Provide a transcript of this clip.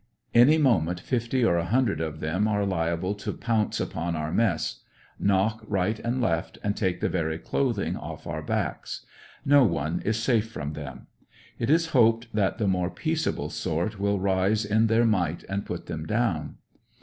Any moment fifty or a hundred of them are liable to pounce upon our mess, knock right and left and take the very clothing off our backs. No one is safe from them. It is hoped that the more peac able sort will rise m their might and put them down.